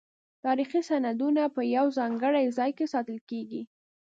تاریخي سندونه په یو ځانګړي ځای کې ساتل کیږي.